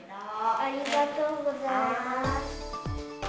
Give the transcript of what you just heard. ありがとうございます。